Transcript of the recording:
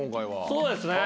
そうですね。